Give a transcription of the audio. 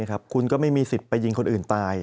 คุณก็ไม่มีสิทธิ์ไปยิงคนอื่นตาย